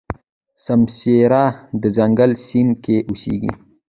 سمسيره د ځنګل سیند کې اوسي.